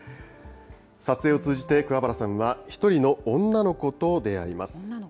撮影を通じて、桑原さんは１人の女の子と出会います。